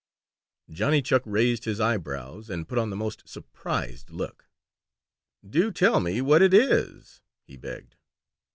Johnny Chuck raised his eyebrows and put on the most surprised look. "Do tell me what it is!" he begged.